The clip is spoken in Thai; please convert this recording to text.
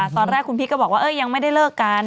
ตอนแรกคุณพีชก็บอกว่ายังไม่ได้เลิกกัน